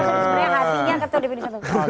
sepertinya hasilnya ketua di pd satu